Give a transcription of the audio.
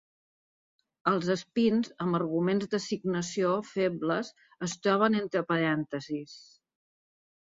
Els espins amb arguments d'assignació febles es troben entre parèntesis.